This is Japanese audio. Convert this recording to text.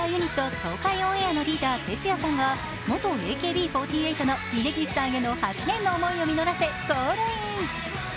東海オンエアのリーダー・てつやさんが元ＡＫＢ４８の峯岸さんへの８年の思いを実らせ、ゴールイン。